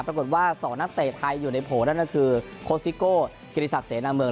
ปรากฏว่า๒นักเตะไทยอยู่ในโผล่นั่นก็คือโคสิโก้กิริศักดิเสนาเมือง